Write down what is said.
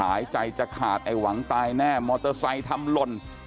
ไอ้หวังตายแน่มอเตอร์ไซด์ทำหล่น